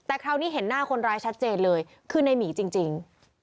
แต่คราวนี้เห็นหน้าคนร้ายชัดเจนเลยคือในหมีจริง